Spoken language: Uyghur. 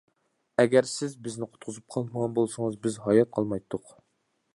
ئەگەر سىز بىزنى قۇتقۇزۇپ قالمىغان بولسىڭىز، بىز ھايات قالمايتتۇق.